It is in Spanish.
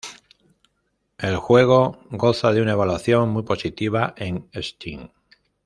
El juego goza de una evaluación "muy positiva" en Steam.